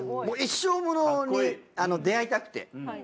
もう一生ものに出会いたくて。